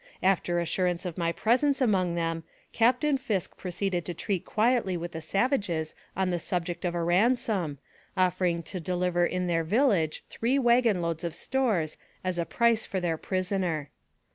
After assurance of my presence among them, Captain Fisk proceeded to treat quietly with the savages on the subject of a ransom, offering to deliver in their vil lage three wagon loads of stores as a price for their prisoner.